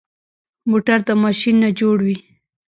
موټر د ماشین نه جوړ وي.